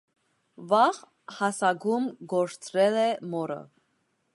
Վաղ հասակում կորցրել է մորը։